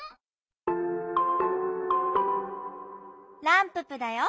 ランププだよ。